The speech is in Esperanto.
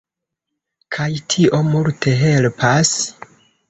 Kaj tio multe helpas.